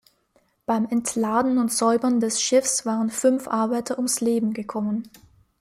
Beim Entladen und Säubern des Schiffes waren fünf Arbeiter ums Leben gekommen.